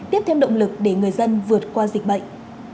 tiếp thêm động lực để người dân vượt qua dịch bệnh